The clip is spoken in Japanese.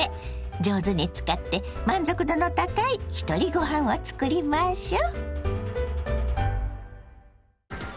上手に使って満足度の高いひとりごはんを作りましょ。